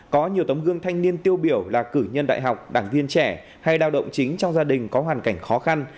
có nhiều tấm gương thanh niên tiêu biểu là cử nhân đại học đảng viên trẻ hay lao động chính trong gia đình có hoàn cảnh khó khăn